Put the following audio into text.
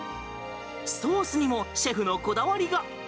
ソースにもシェフのこだわりが。